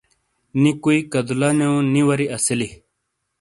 نی کوئی کدولہ نو نی واری اسیلی